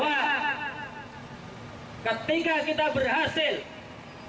suara tidak sah di tps empat kota baru